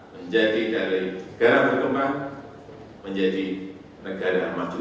menjadi dari negara berkembang menjadi negara maju